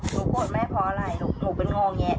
หนูโกรธแม่เพราะอะไรหนูเป็นห่องแยะ